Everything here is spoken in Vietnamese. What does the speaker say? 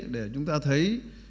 để chúng ta thấy